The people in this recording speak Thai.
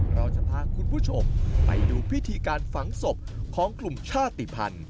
เราจะพาคุณผู้ชมไปดูพิธีการฝังศพของกลุ่มชาติภัณฑ์